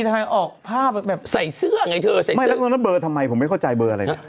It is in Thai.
ทำไมออกภาพแบบใส่เสื้อไงเธอใส่ไม่แล้วเบอร์ทำไมผมไม่เข้าใจเบอร์อะไร